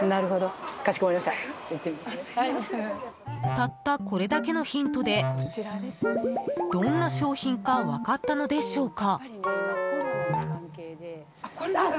たったこれだけのヒントでどんな商品か分かったのでしょうか？